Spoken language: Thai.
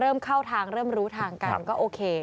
เริ่มเข้าทางเริ่มรู้ทางกันก็โอเค